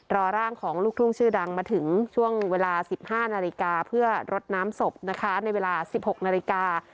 ร่างของลูกทุ่งชื่อดังมาถึงช่วงเวลา๑๕นาฬิกาเพื่อรดน้ำศพนะคะในเวลา๑๖นาฬิกา